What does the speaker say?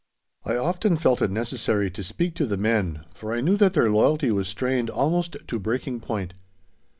I often felt it necessary to speak to the men, for I knew that their loyalty was strained almost to breaking point.